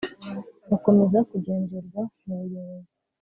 bakomeza kugenzurwa mubuyobozi.